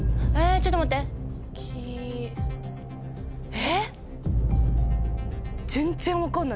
ちょっと待ってえ？